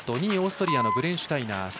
２位、オーストリアのブレンシュタイナー。